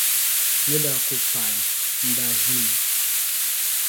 Ni daa ku paai, n'daa ʒini mi.